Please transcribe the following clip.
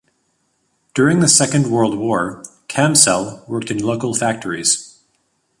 During the Second World War, Camsell worked in local factories.